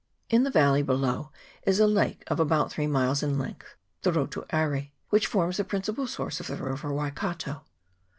In the valley below is a lake of about three miles in length, the Rotu Aire, which forms the prin cipal source of the river Waikato.